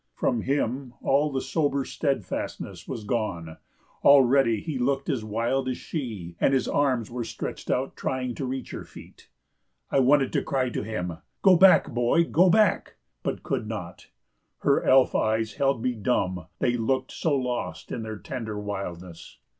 From him all the sober steadfastness was gone; already he looked as wild as she, and his arms were stretched out trying to reach her feet. I wanted to cry to him: "Go back, boy, go back!" but could not; her elf eyes held me dumb they looked so lost in their tender wildness.